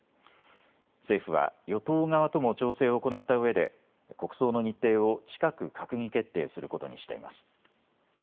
政府は与党側とも調整を行ったうえで国葬の日程を近く閣議決定することにしています。